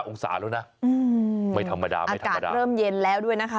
องศาแล้วนะไม่ธรรมดาไม่ธรรมดาเริ่มเย็นแล้วด้วยนะคะ